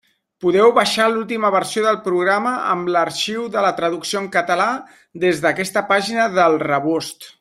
Podeu baixar l'última versió del programa amb l'arxiu de la traducció en català des d'aquesta pàgina del Rebost.